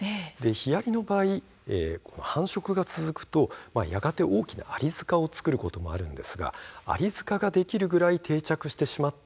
ヒアリの場合、繁殖が続くと大きなアリ塚を作るケースもあるんですがアリ塚ができるくらい定着がしてしまった